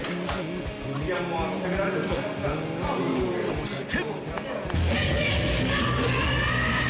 そして